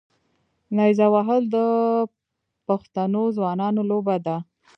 نیزه وهل د پښتنو ځوانانو لوبه ده.